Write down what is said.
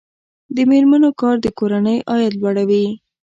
د میرمنو کار د کورنۍ عاید لوړوي.